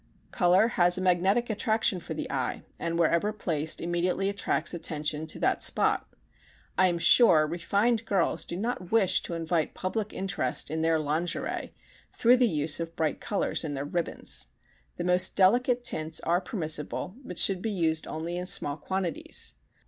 Color has a magnetic attraction for the eye and wherever placed immediately attracts attention to that spot. I am sure refined girls do not wish to invite public interest in their lingerie through the use of bright colors in their ribbons. The most delicate tints are permissible, but should be used only in small quantities.